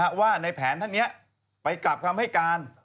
แต่ว่าในแผนท่านเนี่ยไปกราบคำให้การ